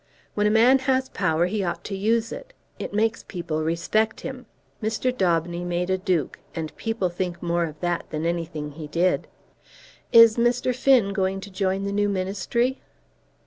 When a man has power he ought to use it. It makes people respect him. Mr. Daubeny made a duke, and people think more of that than anything he did. Is Mr. Finn going to join the new ministry?"